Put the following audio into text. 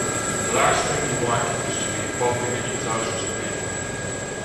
The last thing you want is to be bumping into thousands of people.